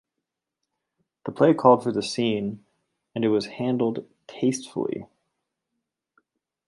The play called for the scene and it was handled tastefully.